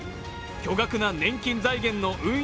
巨額な年金財源の運用